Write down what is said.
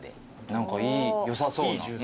何かよさそうな。